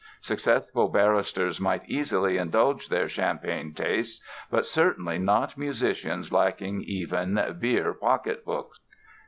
Successful barristers might easily indulge their champagne tastes but certainly not musicians lacking even "beer pocketbooks"!